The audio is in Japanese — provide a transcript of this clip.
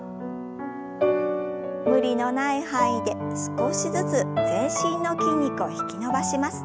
無理のない範囲で少しずつ全身の筋肉を引き伸ばします。